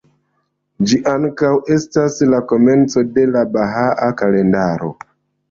Ĝi ankaŭ estas la komenco de la Bahaa Kalendaro.